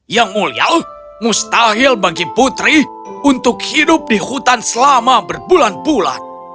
yang mulia mustahil bagi putri untuk hidup di hutan selama berbulan bulan